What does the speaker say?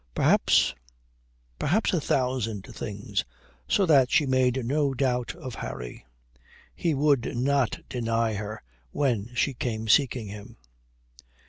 Perhaps perhaps a thousand things, so that she made no doubt of Harry. He would not deny her when she came seeking him.